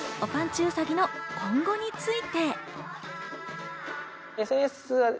うさぎの今後について。